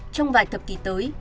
trong vài thập kỷ tới